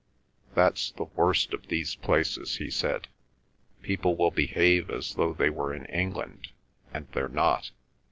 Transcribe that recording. "That's the worst of these places," he said. "People will behave as though they were in England, and they're not.